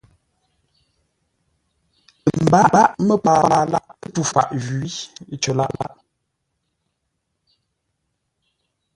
Ə́ mbáʼ məpaa lâʼ tû faʼ jwǐ cər lâʼ.